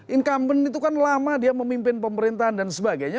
incumbent itu kan lama dia memimpin pemerintahan dan sebagainya